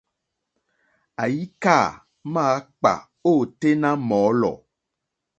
Àyíkâ máǎkpà ôténá mɔ̌lɔ̀.